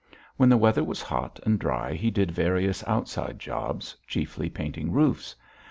When the weather was hot and dry he did various outside jobs, chiefly painting roofs.